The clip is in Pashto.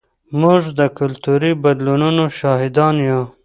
موږ د کلتوري بدلونونو شاهدان یو.